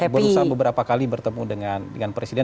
berusaha beberapa kali bertemu dengan presiden